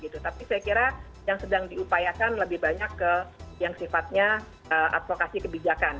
tapi saya kira yang sedang diupayakan lebih banyak ke yang sifatnya advokasi kebijakan